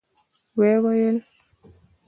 و يې ويل.